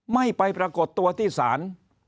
ไม่ไปประกอบตัวที่สาร